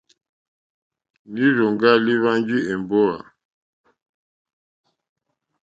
Lírzòŋgá líhwánjì èmbówà.